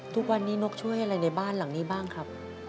ทุกวันนี้นกช่วยอะไรในบ้านหลังนี้บ้างครับ